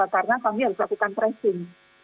karena kami harus lakukan tracing